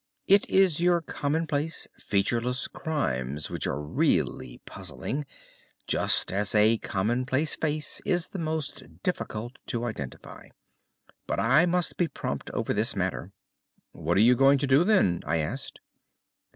It is your commonplace, featureless crimes which are really puzzling, just as a commonplace face is the most difficult to identify. But I must be prompt over this matter." "What are you going to do, then?" I asked.